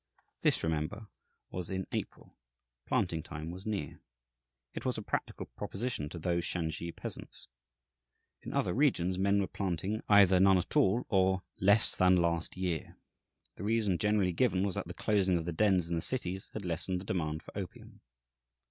This, remember, was in April: planting time was near; it was a practical proposition to those Shansi peasants. In other regions men were planting either none at all, or "less than last year." The reason generally given was that the closing of the dens in the cities had lessened the demand for opium.